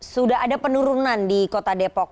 sudah ada penurunan di kota depok